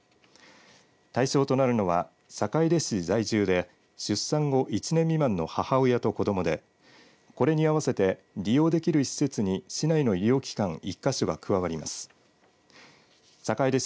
対象となるのは、坂出市在住で出産後１年未満の母親と子どもでこれに合わせて利用できる施設に市内の医療機関１か所が加わります。